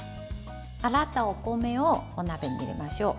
洗ったお米をお鍋に入れましょう。